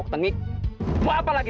kalian kita sampai jumpa lagi